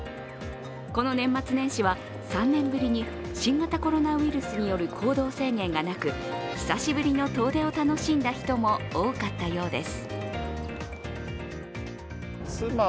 この年末年始は３年ぶりに新型コロナウイルスによる行動制限がなく久しぶりの遠出を楽しんだ人も多かったようです。